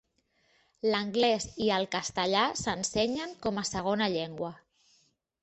L'anglès i el castellà s'ensenyen com a segona llengua.